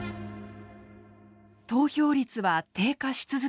投票率は低下し続け